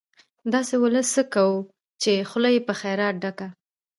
داسې ولس څه کوو، چې خوله يې په خيرات ډکه